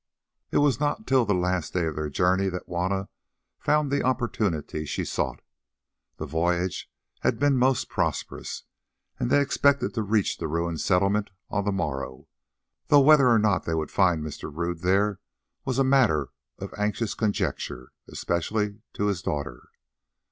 It was not till the last day of their journey that Juanna found the opportunity she sought. The voyage had been most prosperous, and they expected to reach the ruined Settlement on the morrow, though whether or not they would find Mr. Rodd there was a matter of anxious conjecture, especially to his daughter.